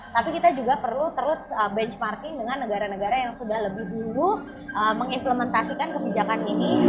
tapi kita juga perlu terus benchmarking dengan negara negara yang sudah lebih dulu mengimplementasikan kebijakan ini